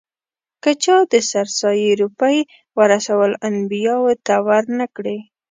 که چا د سرسایې روپۍ ورثه الانبیاوو ته ور نه کړې.